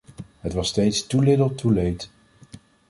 Het was steeds too little too late.